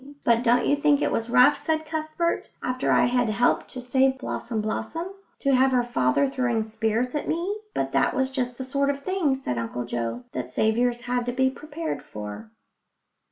"But don't you think it was rough," said Cuthbert, "after I had helped to save Blossom blossom, to have her father throwing spears at me?" But that was just the sort of thing, said Uncle Joe, that saviours had to be prepared for.